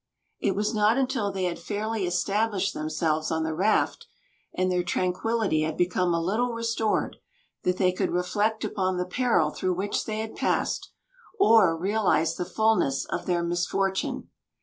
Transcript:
It was not until they had fairly established themselves on the raft, and their tranquillity had become a little restored, that they could reflect upon the peril through which they had passed, or realise the fulness of their misfortune.